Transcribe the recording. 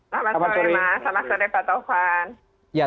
selamat sore pak taufan